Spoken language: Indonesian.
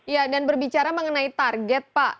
ya dan berbicara mengenai target pak